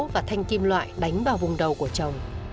và thanh kim loại đánh vào vùng đầu của chồng